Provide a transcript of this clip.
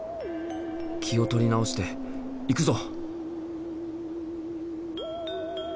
気を取り直して行くぞ！